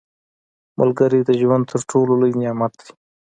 • ملګری د ژوند تر ټولو لوی نعمت دی.